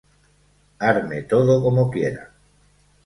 Arme todo como quiera.